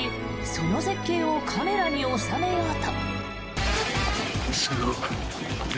その絶景をカメラに収めようと。